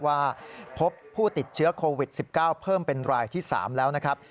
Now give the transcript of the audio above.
ว่าพบผู้ติดเชื้อโควิด๑๙เพิ่มเป็นรายที่๓แล้วนะครับ